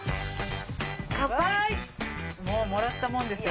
もうもらったもんですよ